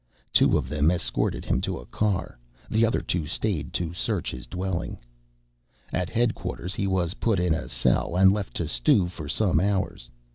Two of them escorted him to a car, the other two stayed to search his dwelling. At headquarters, he was put in a cell and left to stew for some hours.